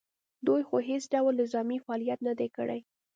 دوی خو هېڅ ډول نظامي فعالیت نه دی کړی